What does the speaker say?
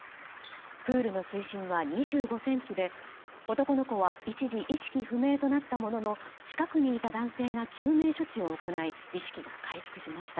プールの水深は２５ｃｍで男の子は一時意識不明となったものの近くにいた男性が救命処置を行い意識が回復しました。